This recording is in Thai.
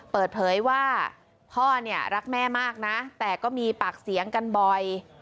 เปิดเผยว่าพ่อเนี่ยรักแม่มากนะแต่ก็มีปากเสียงกันบ่อย